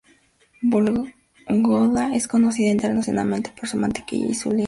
Vólogda es conocida internacionalmente por su mantequilla y su lino.